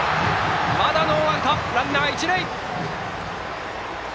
まだノーアウト、ランナーは一塁。